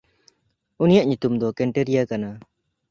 ᱩᱱᱤᱭᱟᱜ ᱧᱩᱛᱩᱢ ᱫᱚ ᱠᱮᱱᱴᱮᱨᱤᱭᱟ ᱠᱟᱱᱟ᱾